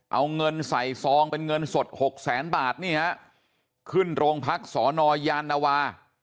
เอาเงินใส่ซองเป็นเงินสด๖๐๐๐๐๐บาทขึ้นโรงพักษ์สนยานวา